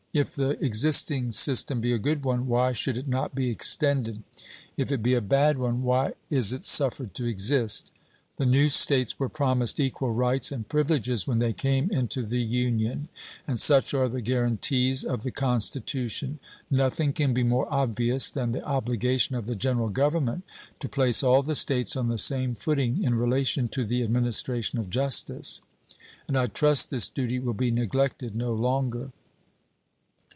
If the existing system be a good one, why should it not be extended? If it be a bad one, why is it suffered to exist? The new States were promised equal rights and privileges when they came into the Union, and such are the guaranties of the Constitution. Nothing can be more obvious than the obligation of the General Government to place all the States on the same footing in relation to the administration of justice, and I trust this duty will be neglected no longer.